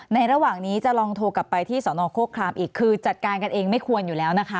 ในระหว่างนี้จะลองโทรกลับไปที่สนโครครามอีกคือจัดการกันเองไม่ควรอยู่แล้วนะคะ